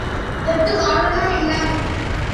இதற்கு காரணம் என்ன?